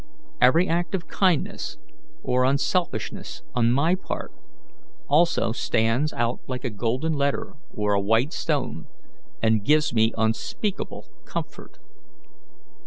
Every act of kindness or unselfishness on my part, also, stands out like a golden letter or a white stone, and gives me unspeakable comfort.